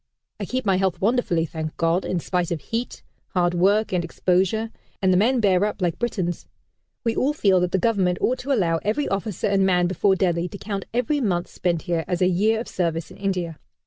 I keep my health wonderfully, thank God! in spite of heat, hard work and exposure; and the men bear up like Britons. We all feel that the Government ought to allow every officer and man before Delhi to count every month spent here as a year of service in India.